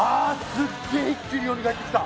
すげえ一気によみがえってきた！